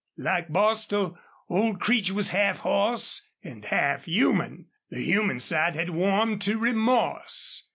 Like Bostil, old Creech was half horse and half human. The human side had warmed to remorse.